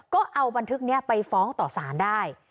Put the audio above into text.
ก็เอาบันทึกนี้ไปฟ้องต่อสารได้